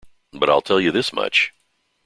But I'll tell you this much.